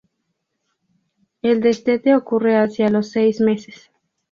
El destete ocurre hacia los seis meses.